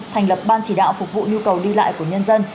thành lập ban chỉ đạo phục vụ nhu cầu đi lại của nhân dân